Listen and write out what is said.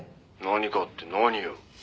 「何かって何よ？」